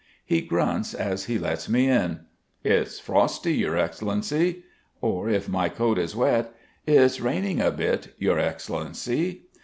He grunts as he lets me in: "It's frosty, Your Excellency." Or if my coat is wet: "It's raining a bit, Your Excellency."